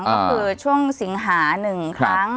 ก็คือช่วงสิงหา๑ครั้ง